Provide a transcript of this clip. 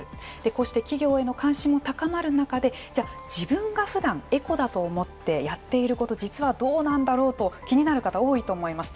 こうして企業への関心も高まる中でじゃあ自分がふだんエコだと思ってやっていること実はどうなんだろうと気になる方多いと思います。